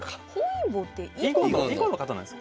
あでも囲碁の方なんです